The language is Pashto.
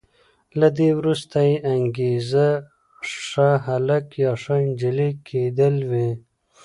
له دې وروسته یې انګېزه ښه هلک یا ښه انجلۍ کېدل وي.